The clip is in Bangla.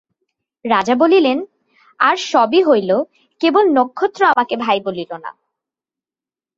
রাজা বলিলেন, আর সব হইল, কেবল নক্ষত্র আমাকে ভাই বলিল না।